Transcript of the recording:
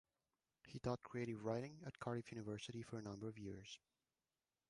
He taught creative writing at Cardiff University for a number of years.